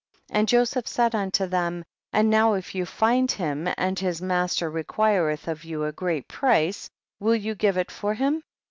30. And Joseph said unto them, and now if you find him, and his master requireth of you a great price, will you give it for him